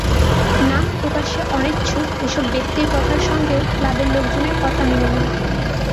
নাম প্রকাশে অনিচ্ছুক এসব ব্যক্তির কথার সঙ্গেও ক্লাবের লোকজনের কথা মেলে না।